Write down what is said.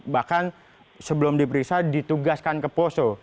bahkan sebelum diperiksa ditugaskan ke poso